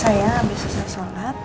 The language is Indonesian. saya habis selesai solat